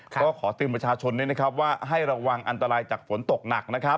ก็ขอตื่นประชาชนว่าให้ระวังอันตรายจากฝนตกหนัก